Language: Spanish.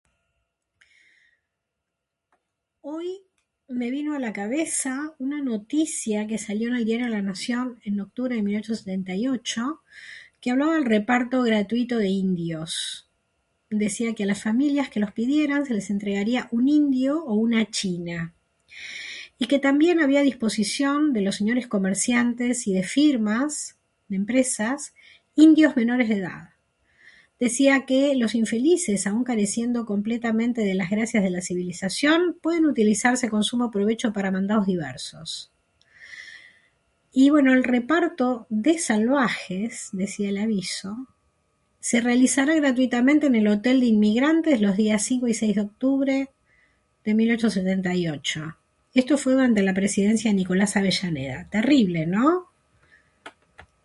"Hoy me vino a la cabeza una noticia que salió en el diario La Nación en octubre de 1878 que hablaba del reparto gratuito de indios. Decía que a las familias que los pidieran se les entregaría un indio o una china. Y que también había a disposición de los señores comerciantes y de firmas, de empresas, indios menores de edad. Decía que ""los infelices, aun careciendo completamente de las gracias de la civilización pueden utilizarse con sumo provecho para mandados diversos"". Y bueno, y el reparto ""de salvajes"", decía el aviso, ""se realizará gratuitamente en el Hotel de Inmigrantes, los días 5 y 6 de octubre"" de 1878. esto fue durante la presidencia de Nicolás Avellaneda. Terrible, ¿no?"